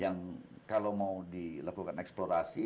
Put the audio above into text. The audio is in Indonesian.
yang kalau mau dilakukan eksplorasi